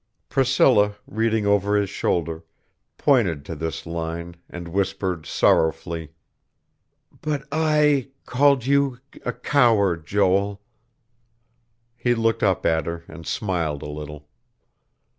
'" Priscilla, reading over his shoulder, pointed to this line and whispered sorrowfully: "But I called you coward, Joel." He looked up at her, and smiled a little.